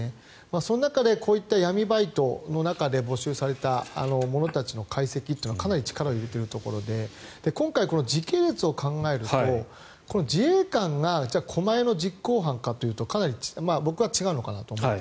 その中でこういった闇バイトの中で募集された者たちの解析というのはかなり力を入れているところで今回、時系列を考えると自衛官が狛江の実行犯かというと僕は違うかなと思っていて。